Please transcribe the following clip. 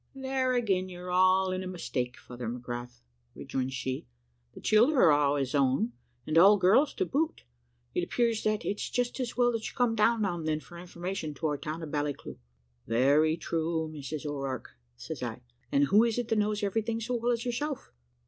"`There again you're all in a mistake, Father McGrath,' rejoins she. `The childer are all his own, and all girls to boot. It appears that it's just as well that you come down, now and then, for information, to our town of Ballycleuch.' "`Very true, Mrs O'Rourke,' says I; `and who is it that knows everything so well as yourself?'